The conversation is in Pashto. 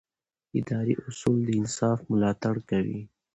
اداري اصول د انصاف ملاتړ کوي.